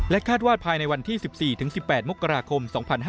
คาดว่าภายในวันที่๑๔๑๘มกราคม๒๕๕๙